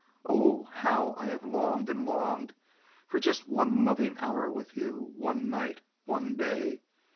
Oh, how I have longed and longed for just one loving hour with you—one night, one day!